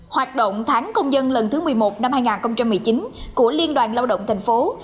hoạt động tháng công dân lần thứ một mươi một năm hai nghìn một mươi chín của liên đoàn lao động thành phố